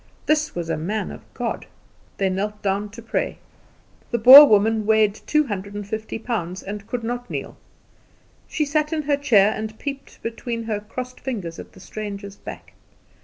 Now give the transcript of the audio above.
This was a man of God. They knelt down to pray. The Boer woman weighed two hundred and fifty pounds, and could not kneel. She sat in her chair, and peeped between her crossed fingers at the stranger's back.